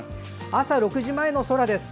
朝６時前の空です。